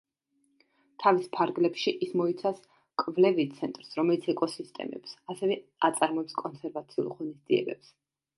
თავის ფარგლებში ის მოიცავს კვლევით ცენტრს რომელიც ეკოსისტემებს, ასევე აწარმოებს კონსერვაციულ ღონისძიებებს.